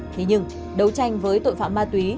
thế nhưng đấu tranh với tội phạm ma túy